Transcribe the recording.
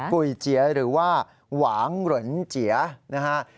กุยเจียหรือว่าหวังเหริญเจียนะครับ